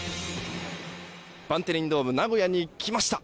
バンテリンドームナゴヤに来ました。